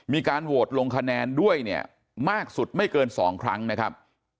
มีการโหวตลงคะแนนด้วยเนี่ยมากสุดไม่เกิน๒ครั้งนะครับ